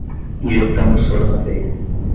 Injetando o soro na veia